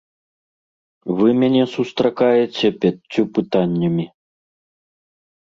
Вы мяне сустракаеце пяццю пытаннямі.